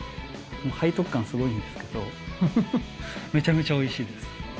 背徳感すごいんですけどめちゃめちゃおいしいです。